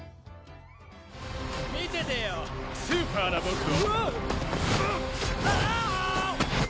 見ててよスーパーな僕を。